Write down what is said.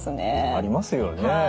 ありますよね。